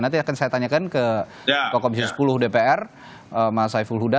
nanti akan saya tanyakan ke komisi sepuluh dpr mas saiful huda